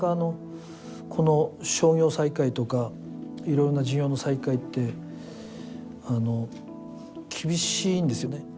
なかなかこの商業再開とかいろんな事業の再開って厳しいんですよね。